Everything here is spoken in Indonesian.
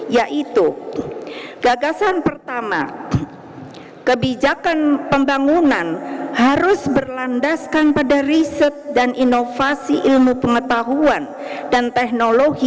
yaitu gagasan pertama kebijakan pembangunan harus berlandaskan pada riset dan inovasi ilmu pengetahuan dan teknologi